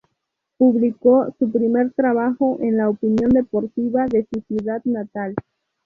Publicó su primer trabajo en "La Opinión Deportiva" de su ciudad natal.